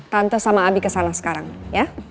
tante sama abi kesana sekarang ya